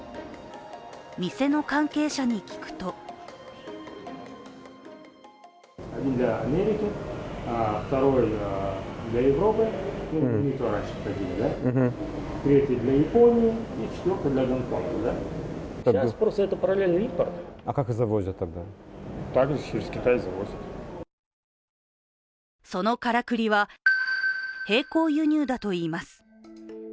店の関係者に聞くとそのからくりは並行輸入だといいます。